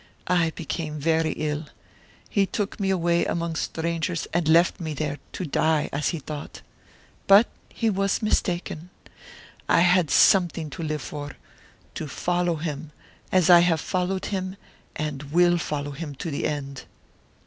I became very ill. He took me away among strangers and left me there, to die, as he thought. But he was mistaken. I had something to live for, to follow him, as I have followed him and will follow him to the end."